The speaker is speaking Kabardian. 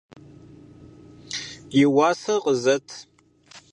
И уасэр къызэт.